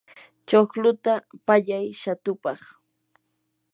chuqluta pallay shatupaq.